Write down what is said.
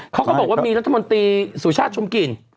เขาก็บอกว่ามีรัฐมนตรีสุชาติชมกลิ่น